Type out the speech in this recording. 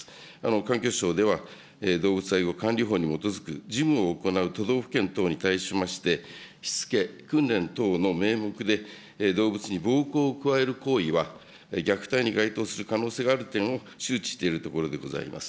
環境省では、動物介護管理法に基づく事務を行う都道府県等に対しまして、しつけ、訓練等の名目で、動物に暴行を加える行為は虐待に該当する可能性があるという点を周知しているところでございます。